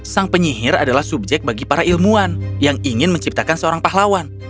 sang penyihir adalah subjek bagi para ilmuwan yang ingin menciptakan seorang pahlawan